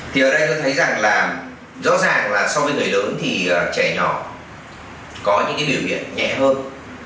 thì ở đây tôi thấy rằng là rõ ràng là so với người lớn thì trẻ nhỏ có những cái biểu hiện nhẹ hơn